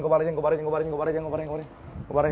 กูไปและกูไปแล้ว